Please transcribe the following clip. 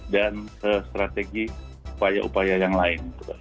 dan strategi upaya upaya yang lain